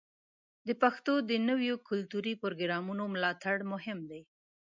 د پښتو د نویو کلتوري پروګرامونو ملاتړ مهم دی.